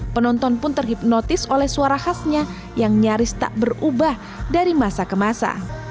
penonton pun terhipnotis oleh suara khasnya yang nyaris tak berubah dari masa ke masa